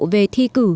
về thi cử